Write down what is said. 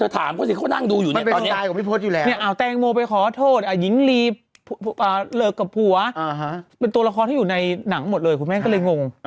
ถามเขาสิเขานั่งดูอยู่ตอนนี้หญิงลีเลิกกับผัวเป็นตัวละครที่อยู่ในหนังหมดเลยคุณแม่ก็เลยงง